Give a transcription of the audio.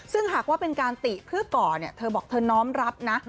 ซึ่งหากว่าเป็นการติเพื่อก่อนจะบอกว่าน้อมรับนะ